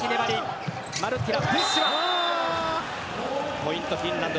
ポイント、フィンランド。